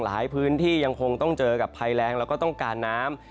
หลายพื้นที่ยังคงต้องเจอกับภัยแรงแล้วก็ต้องการน้ำ